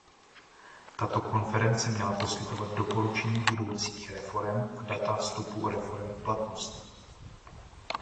Tato konference měla poskytovat doporučení budoucích reforem a data vstupu reforem v platnost.